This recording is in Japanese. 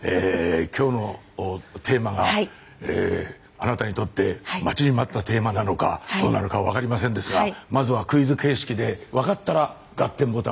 今日のテーマがあなたにとって待ちに待ったテーマなのかどうなのかは分かりませんですがまずはクイズ形式で分かったら「ガッテン！」